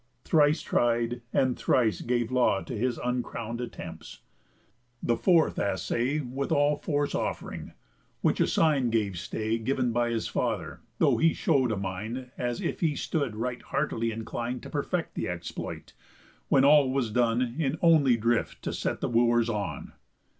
Thrice tried, and thrice gave law To his uncrown'd attempts; the fourth assay With all force off'ring, which a sign gave stay Giv'n by his father; though he show'd a mind As if he stood right heartily inclin'd To perfect the exploit, when all was done In only drift to set the Wooers on.